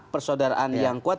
persaudaraan yang kuat